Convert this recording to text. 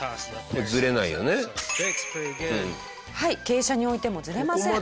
傾斜に置いてもずれません。